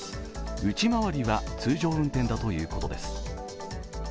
内回りは通常運転だということです。